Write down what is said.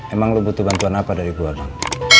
emang lo butuh bantuan apa dari gua bang